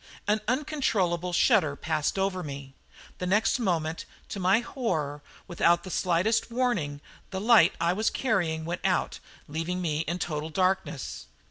An uncontrollable shudder passed over me. The next moment, to my horror, without the slightest warning, the light I was carrying went out, leaving me in total darkness.